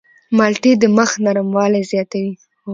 مالټې د مخ نرموالی زیاتوي.